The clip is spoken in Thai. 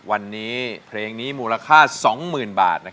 วันนี้เพลงนี้มูลค่า๒๐๐๐บาท